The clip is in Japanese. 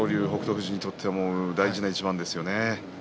富士にとっては大事な一番ですよね。